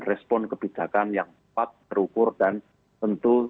respon kebijakan yang tepat terukur dan tentu